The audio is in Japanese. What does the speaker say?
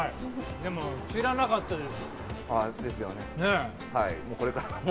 でも、知らなかったです。